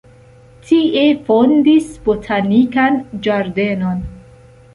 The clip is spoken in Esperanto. Tie fondis botanikan ĝardenon.